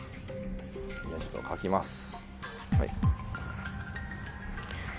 ちょっと書きます。